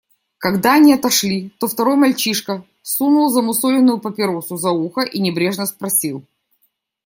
Когда они отошли, то второй мальчишка сунул замусоленную папиросу за ухо и небрежно спросил.